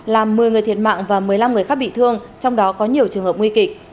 làm một mươi người thiệt mạng và một mươi năm người khác bị thương trong đó có nhiều trường hợp nguy kịch